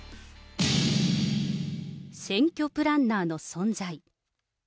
選挙プランナーの存在。